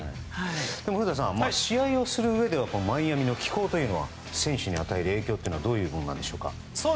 古田さん試合をする上でマイアミの気候が選手に与える影響はどういうものなんでしょうか。